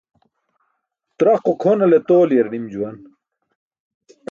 Traqo kʰonale tooli̇yar nim juwan.